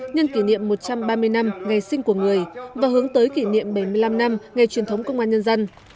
nhân kỷ niệm một trăm ba mươi năm ngày sinh của người và hướng tới kỷ niệm bảy mươi năm năm ngày truyền thống công an nhân dân